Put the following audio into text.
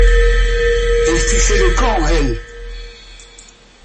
Elle fichait le camp, elle!